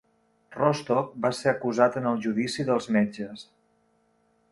Rostock va ser acusat en el judici dels metges.